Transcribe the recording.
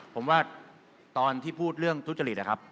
ผมว่าตอนที่พูดเรื่องทุจริตนะครับ